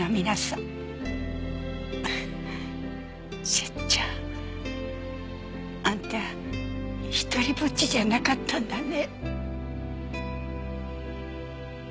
セッちゃんあんた独りぼっちじゃなかったんだね。